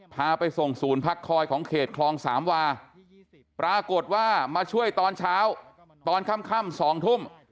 พาไปส่งศูนย์พักคอยของเขตคลองสามวาปรากฏว่ามาช่วยตอนเช้าตอนค่ำ๒ทุ่ม